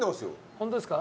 ホントですか？